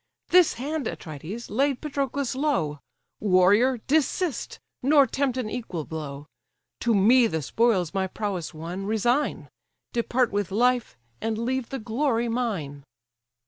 "This hand, Atrides, laid Patroclus low; Warrior! desist, nor tempt an equal blow: To me the spoils my prowess won, resign: Depart with life, and leave the glory mine."